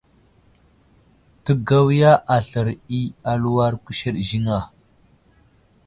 Təgawiya aslər i aluwar kuseɗ ziŋ a ?